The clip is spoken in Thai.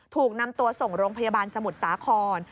ถูกนำตัวส่งโรงพยาบาลสมุทรสาคร